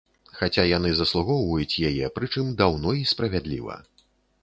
Хаця яны заслугоўваюць яе, прычым, даўно і справядліва.